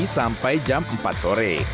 sampai jam empat sore